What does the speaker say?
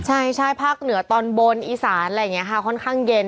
ใช่ใช่ภาคเหนือตอนบนอีสานอะไรอย่างนี้ค่ะค่อนข้างเย็น